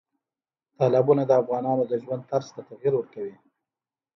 تالابونه د افغانانو د ژوند طرز ته تغیر ورکوي.